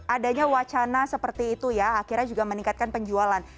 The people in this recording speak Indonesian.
adanya wacana seperti itu ya akhirnya juga meningkatkan penjualan